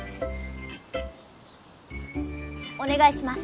おねがいします。